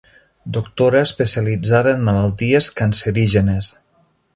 Doctora especialitzada en malalties cancerígenes.